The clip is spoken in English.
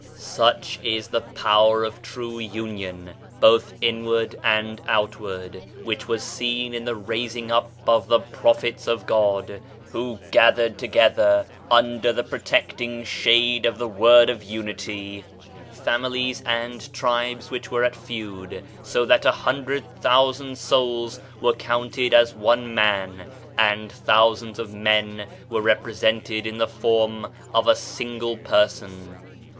Such is the power of true union, both inward and outward, which was seen in the raising up of the Prophets of God, who gathered together under the protecting shade of the Word of Unity families and tribes which were at feud, so that a hundred thousand souls were counted as one man, and thou sands of men were represented in the form of a single Person.